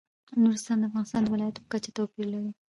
نورستان د افغانستان د ولایاتو په کچه توپیر لري.